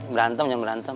berantem jangan berantem